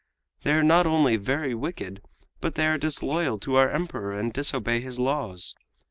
They are not only very wicked but they are disloyal to our Emperor and disobey his laws.